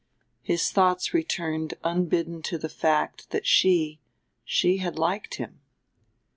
His thoughts returned unbidden to the fact that she she had liked him.